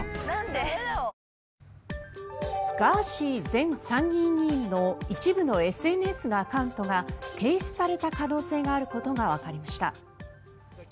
前参議院議員の一部のＳＮＳのアカウントが停止された可能性があることがわかりました。